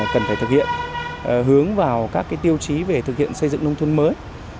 cần phải thực hiện hướng vào các tiêu chí về thực hiện xây dựng nông thôn mới